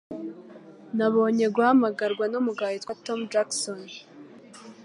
Nabonye guhamagarwa numugabo witwa Tom Jackson.